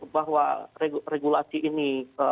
bahwa regulasi ini